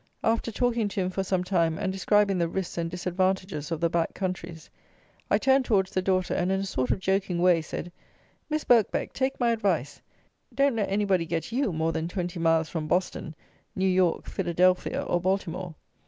After talking to him for some time, and describing the risks and disadvantages of the back countries, I turned towards the daughter and, in a sort of joking way, said: "Miss Birkbeck, take my advice: don't let anybody get you more than twenty miles from Boston, New York, Philadelphia, or Baltimore."